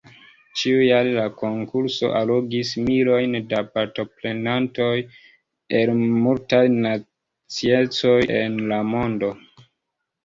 Ĉiujare la konkurso allogis milojn da partoprenantoj el multaj naciecoj en la mondo.